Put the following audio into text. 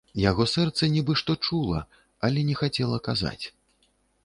Яго сэрца нібы што чула, але не хацела казаць.